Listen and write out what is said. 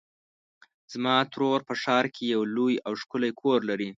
زما ترور په ښار کې یو لوی او ښکلی کور لري.